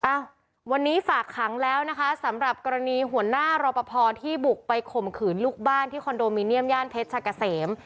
อ้าววันนี้ฝากขังแล้วนะคะสำหรับกรณีหัวหน้ารอปภที่บุกไปข่มขืนลูกบ้านที่คอนโดมิเนียมย่านเพชรชะกะเสม